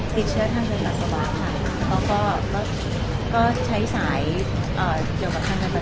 ติดเชื้อธรรมดิอัพยาวะ๑๙๗๐ดังกากและใช้สายเกี่ยวกับธรรมดิอัพยาวะ